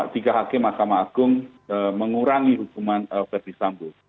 tiga hakim mahkamah agung mengurangi hukuman verdi sambo